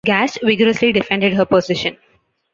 Gash vigorously defended her position.